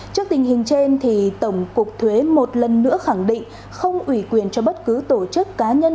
trước tình hình trên tổng cục thuế một lần nữa khẳng định không ủy quyền cho bất cứ tổ chức cá nhân